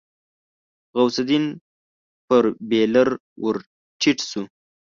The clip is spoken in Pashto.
غوث الدين پر بېلر ور ټيټ شو.